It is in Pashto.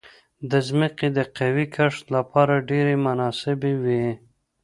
دا ځمکې د قهوې کښت لپاره ډېرې مناسبې وې.